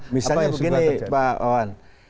misalnya begini pak owen